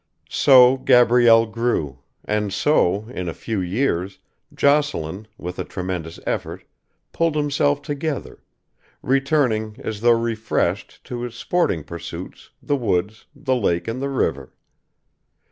So Gabrielle grew, and so, in a few years, Jocelyn, with a tremendous effort pulled himself together, returning, as though refreshed, to his sporting pursuits, the woods, the lake and the river.